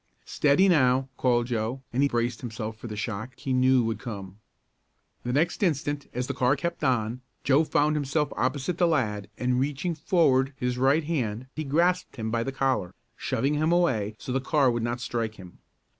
"Steady now!" called Joe, and he braced himself for the shock he knew would come. The next instant, as the car kept on, Joe found himself opposite the lad and reaching forward his right hand he grasped him by the collar, shoving him away so the car would not strike him.